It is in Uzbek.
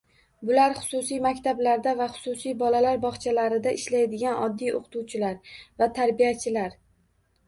Bular xususiy maktablarda va xususiy bolalar bog'chalarida ishlaydigan oddiy o'qituvchilar va tarbiyachilar